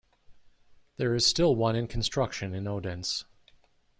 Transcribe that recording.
There is still one in construction in Odense.